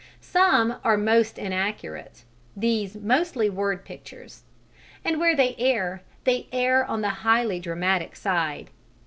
Some are most inaccurate (these, mostly word pictures), and where they err, they err on the highly dramatic side.